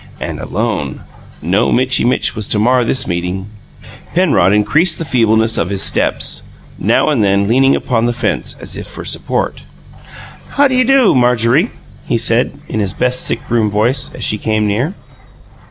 And alone! No Mitchy Mitch was to mar this meeting. Penrod increased the feebleness of his steps, now and then leaning upon the fence as if for support. "How do you do, Marjorie?" he said, in his best sick room voice, as she came near.